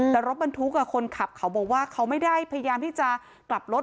แต่รถบรรทุกคนขับเขาบอกว่าเขาไม่ได้พยายามที่จะกลับรถ